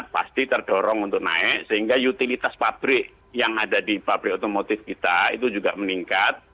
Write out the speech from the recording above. pasti terdorong untuk naik sehingga utilitas pabrik yang ada di pabrik otomotif kita itu juga meningkat